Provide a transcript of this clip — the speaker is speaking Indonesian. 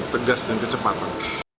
tergak sedang kecepatan